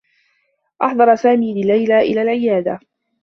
أحضر سامي ليلى إلى العيادة.